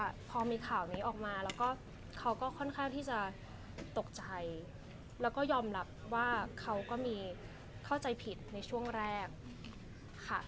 พอมีข่าวนี้ออกมาแล้วก็เขาก็ค่อนข้างที่จะตกใจแล้วก็ยอมรับว่าเขาก็มีเข้าใจผิดในช่วงแรกค่ะ